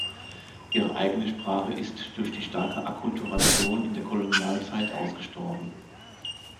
Ihre eigene Sprache ist durch die starke Akkulturation in der Kolonialzeit ausgestorben.